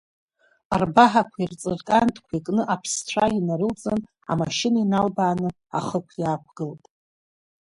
Рбаҳақәеи рҵыркантқәеи кны аԥсцәа инарылҵын, амашьына иналбааны ахықә иаақәгылт.